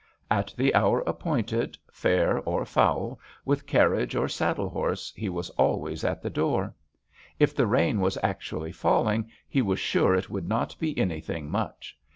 At the hour appointed, fair or foul, with carriage or saddle horse, he was always at the door. If the rain was actually falling, he was sure it would not be anything much.